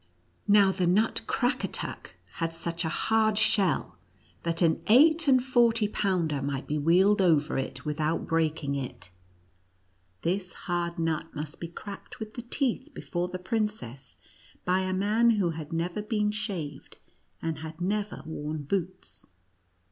Now the nut Crackatuck had such a hard shell, that an eight and forty pounder might be wheeled over it without breaking it. This NUTCEACKEE AND MOUSE KING. 73 hard nut must be cracked with the teeth before the princess, by a man who had never been shaved, and had never worn boots.